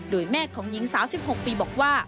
โดยแม่ของหญิงสาว๑๖ปีบอกว่า